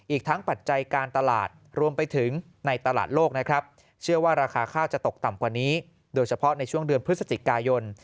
อีกทั้งปัจจัยการตลาดรวมไปถึงในตลาดโลกนะครับเชื่อว่าราคาข้าวจะตกต่ำกว่านี้โดยเฉพาะในช่วงเดือนพฤศจิกายน